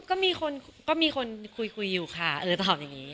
เป็นคนคุยแค่มาวินเป็นคนนอกโรงการหรือในโรงการอะไรยังไงบ้าง